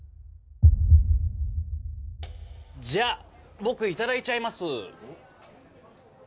じゃあ僕いただいちゃいます。